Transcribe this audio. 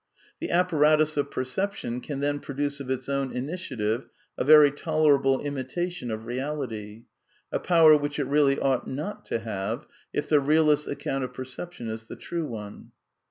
The apparatus of perception can then produce of its own ^"^nitiative a very tolerable imitation of reality; a power which it really ought not to have if the realist's account of perception is the true one.